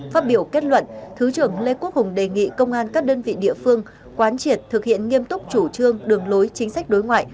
phát biểu kết luận thứ trưởng lê quốc hùng đề nghị công an các đơn vị địa phương quán triệt thực hiện nghiêm túc chủ trương đường lối chính sách đối ngoại